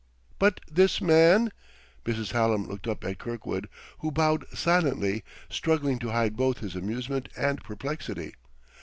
"But this man ?" Mrs. Hallam looked up at Kirkwood, who bowed silently, struggling to hide both his amusement and perplexity.